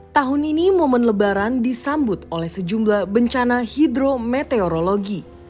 tahun ini momen lebaran disambut oleh sejumlah bencana hidrometeorologi